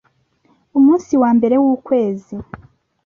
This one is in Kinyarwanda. Umunsi wa mbere w’ukwezi